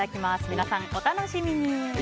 皆さん、お楽しみに。